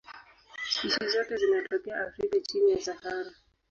Spishi zote zinatokea Afrika chini ya Sahara.